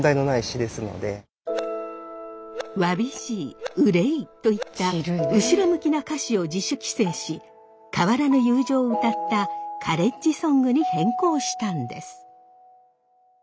「わびしい」「憂い」といった後ろ向きな歌詞を自主規制し変わらぬ友情を歌ったカレッジソングに変更したんです。